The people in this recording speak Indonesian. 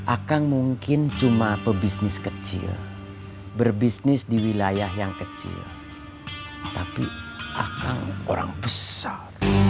akan mungkin cuma pebisnis kecil berbisnis di wilayah yang kecil tapi akan orang besar